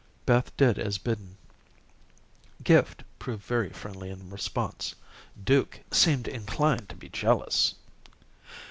Beth did as bidden. Gift proved very friendly in response. Duke seemed inclined to be jealous.